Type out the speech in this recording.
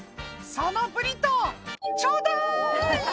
「そのブリトーちょうだい！」